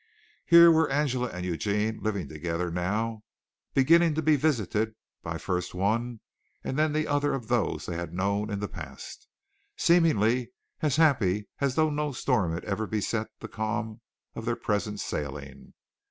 Here were Angela and Eugene living together now, beginning to be visited by first one and then the other of those they had known in the past, seemingly as happy as though no storm had ever beset the calm of their present sailing.